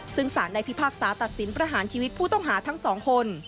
ซึ่งสารได้พิพากษาตัดสินประหารชีวิตผู้ต้องหาทั้งสองคน